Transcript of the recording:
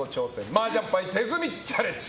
麻雀牌手積みチャレンジ